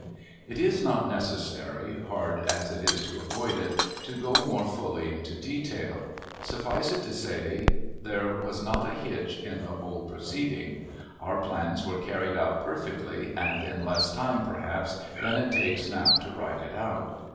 It is not necessary hard as it is to avoid it to go more fully into detail. Suffice it to say there was not a hitch in the whole proceeding. Our plans were carried out perfectly, and in less time, perhaps, than it takes now to write it out.